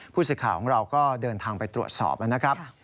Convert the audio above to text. ผู้สื่อข่าวของเราก็เดินทางไปตรวจสอบนะครับ